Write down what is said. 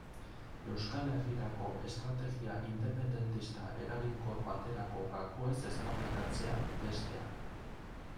Euskal Herrirako estrategia independentista eraginkor baterako gakoez eztabaidatzea, bestea.